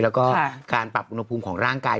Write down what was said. แล้วก็การปรับอุณหภูมิของร่างกาย